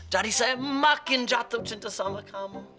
jadi saya makin jatuh cinta sama kamu